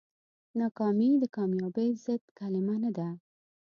ناکامي د کامیابۍ ضد کلمه نه ده.